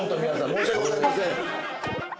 申し訳ございません。